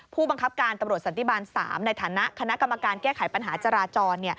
ผู้บังคับการตำรวจสันติบาล๓ในฐานะคณะกรรมการแก้ไขปัญหาจราจร